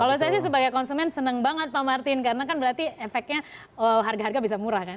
kalau saya sih sebagai konsumen senang banget pak martin karena kan berarti efeknya harga harga bisa murah kan